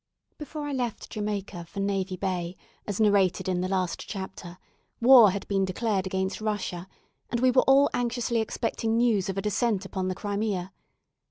Before I left Jamaica for Navy Bay, as narrated in the last chapter, war had been declared against Russia, and we were all anxiously expecting news of a descent upon the Crimea.